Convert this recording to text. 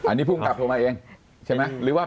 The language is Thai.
อันนี้ผู้กำกับโทรมาเองใช่ไหม